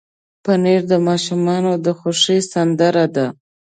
پنېر د ماشومانو د خوښې سندره ده.